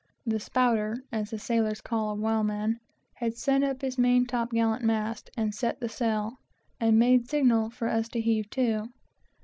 The "spouter," as the sailors call a whaleman, had sent up his main top gallant mast and set the sail, and made signal for us to heave to.